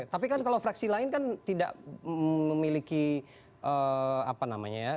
tapi kan kalau fraksi lain kan tidak memiliki apa namanya ya